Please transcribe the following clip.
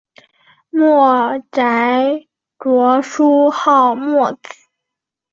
墨翟着书号墨子。